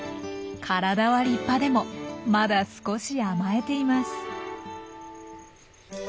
体は立派でもまだ少し甘えています。